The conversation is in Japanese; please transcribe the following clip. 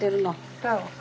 そう。